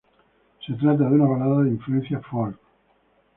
Se trata de una balada de influencia "folk".